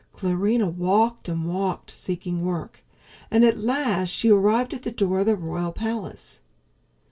Clarinha walked and walked seeking work, and at last she arrived at the door of the royal palace.